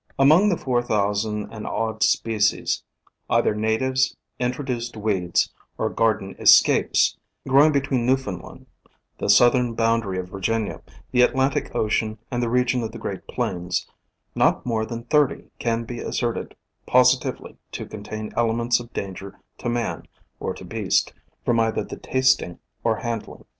Among the four thousand and odd species, either natives, introduced weeds, or garden escapes, growing between Newfoundland, the southern boundary of Virginia, the Atlantic Ocean and the region of the Great Plains, not more than thirty can be asserted posi tively to contain elements of danger to man or to beast, from either the tasting or handling.